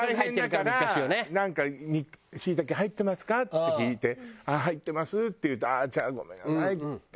なんか「椎茸入ってますか？」って聞いて「入ってます」っていうと「じゃあごめんなさい」っていう。